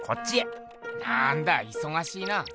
なんだいそがしいな。